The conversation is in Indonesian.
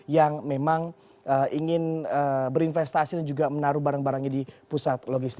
yang memang ingin berinvestasi dan juga menaruh barang barangnya di pusat